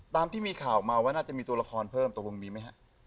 ตามที่มีข่าวออกมาว่าน่าจะมีตัวละครเพิ่มตกลงมีไหมฮะ